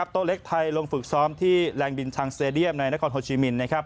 โต๊ะเล็กไทยลงฝึกซ้อมที่แรงบินชังสเตดียมในนครโฮชิมิน